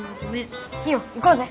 いいよ行こうぜ！